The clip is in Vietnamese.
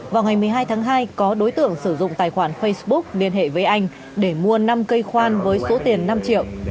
vào ngày một mươi hai tháng hai có đối tượng sử dụng tài khoản facebook liên hệ với anh để mua năm cây khoan với số tiền năm triệu